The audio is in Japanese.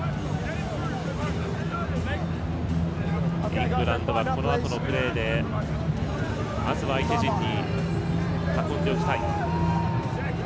イングランドはこのあとのプレーでまずは相手陣に運んでおきたい。